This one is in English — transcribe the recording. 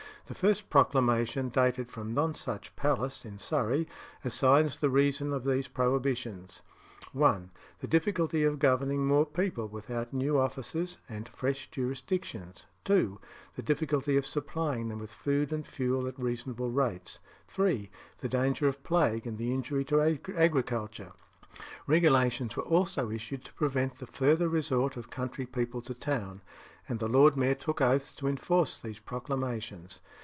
The first proclamation, dated from Nonsuch Palace, in Surrey, assigns the reason of these prohibitions: 1. The difficulty of governing more people without new officers and fresh jurisdictions. 2. The difficulty of supplying them with food and fuel at reasonable rates. 3. The danger of plague and the injury to agriculture. Regulations were also issued to prevent the further resort of country people to town, and the lord mayor took oaths to enforce these proclamations.